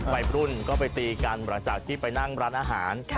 วัยรุ่นก็ไปตีกันหลังจากที่ไปนั่งร้านอาหาร